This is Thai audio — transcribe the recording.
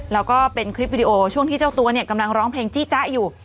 แล้วก็เป็นคลิปวิดีโอช่วงที่เจ้าตัวเนี่ยกำลังร้องเพลงจี้จ๊ะอยู่